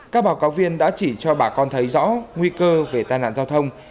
các báo cáo viên đã chỉ cho bà con thấy rõ nguy cơ về tai nạn giao thông